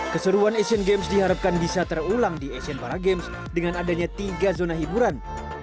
keseruan asian games diharapkan bisa terulang di asian para games dengan adanya tiga zona hiburan